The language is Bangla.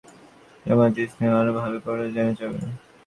তবে তা থেকে বাংলাদেশের জামায়াতে ইসলামীকে আরও ভালো করে চেনা যাবে।